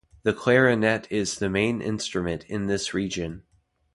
The clarinet is the main instrument in this region.